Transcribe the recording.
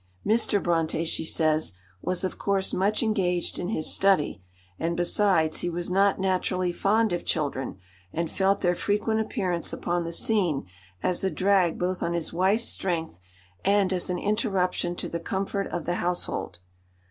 "Mr. Brontë," she says, "was, of course, much engaged in his study, and besides, he was not naturally fond of children, and felt their frequent appearance upon the scene as a drag both on his wife's strength and as an interruption to the comfort of the household."